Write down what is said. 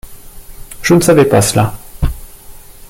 Je ne savais pas cela.